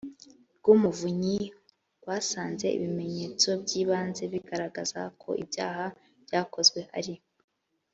rw umuvunyi rwasanze ibimenyetso by ibanze bigaragaza ko ibyaha byakozwe ari